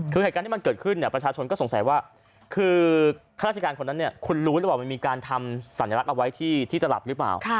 คือเหตุการณ์ที่มันเกิดขึ้นประชาชนก็สงสัยว่าคือข้าราชการคนนั้นเนี่ยคุณรู้หรือเปล่ามันมีการทำสัญลักษณ์เอาไว้ที่จะหลับหรือเปล่า